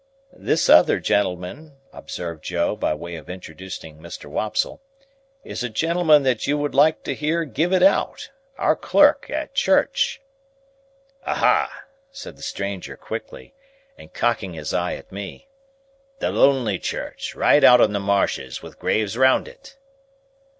"This other gentleman," observed Joe, by way of introducing Mr. Wopsle, "is a gentleman that you would like to hear give it out. Our clerk at church." "Aha!" said the stranger, quickly, and cocking his eye at me. "The lonely church, right out on the marshes, with graves round it!"